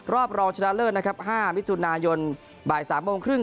รอบรองชนะเลิศนะครับ๕มิถุนายนบ่าย๓โมงครึ่ง